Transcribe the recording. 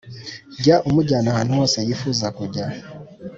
jya umujyana ahantu hose yifuza kujya,